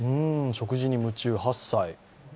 食事に夢中、８歳。